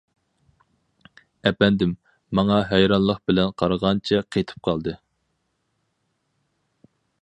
ئەپەندىم ماڭا ھەيرانلىق بىلەن قارىغانچە قېتىپ قالدى.